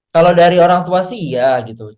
kalau dari orang tua sih iya gitu